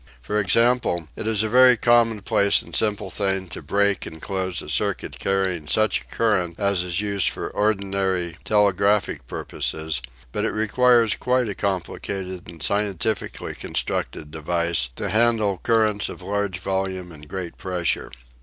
For instance, it is a very commonplace and simple thing to break and close a circuit carrying such a current as is used for ordinary telegraphic purposes, but it requires quite a complicated and scientifically constructed device to handle currents of large volume and great pressure.